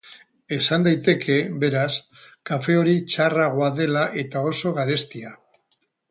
Esan daiteke, beraz, kafe hori txarragoa dela eta oso garestia.